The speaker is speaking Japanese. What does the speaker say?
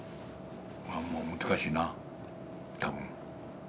まあもう難しいな多分。